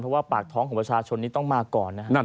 เพราะว่าปากท้องของประชาชนนี้ต้องมาก่อนนะครับ